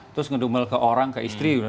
terus ngedumel ke orang ke istri